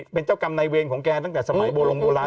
เป็นเจ้ากรรมในเวรของแกตั้งแต่สมัยโบรงโบราณ